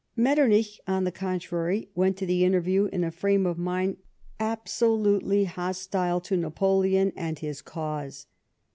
Metternich, on the contrary, went to the interview in a frame of mind absolutely hostile to Napoleon and liis cause.